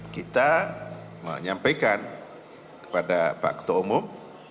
kita menyampaikan kepada pak ketua umum